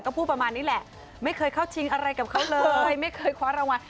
ก็พูดประมาณนี้แหละไม่เคยเข้าชิงอะไรกับเขาเลยไม่เคยคว้ารางวัล